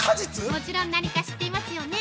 もちろん何か知っていますよね？